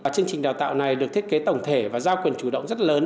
chương trình đào tạo này được thiết kế tổng thể và giao quyền chủ động rất lớn